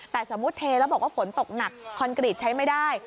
แต่สมมุติเทแล้วบอกว่าฝนตกหนักคอนกรีตใช้ไม่ได้